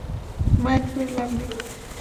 Mind করে লাভ নেই।